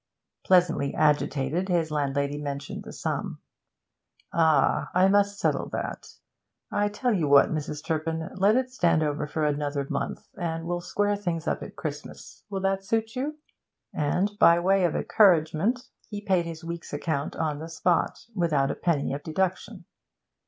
Pleasantly agitated, his landlady mentioned the sum. 'Ah! I must settle that. I tell you what, Mrs. Turpin. Let it stand over for another month, and we'll square things up at Christmas. Will that suit you?' And, by way of encouragement, he paid his week's account on the spot, without a penny of deduction.